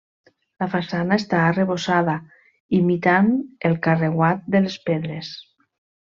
La façana està arrebossada imitant el carreuat de les pedres.